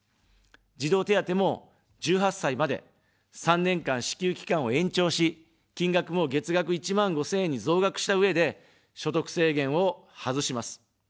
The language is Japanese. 児童手当も１８歳まで、３年間支給期間を延長し、金額も月額１万５０００円に増額したうえで所得制限を外します。